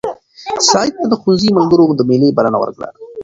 سعید ته د ښوونځي ملګرو د مېلې بلنه ورکړه.